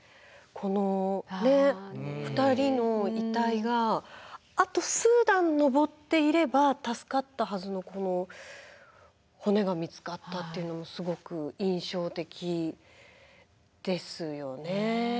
このね２人の遺体があと数段上っていれば助かったはずのこの骨が見つかったっていうのもすごく印象的ですよね。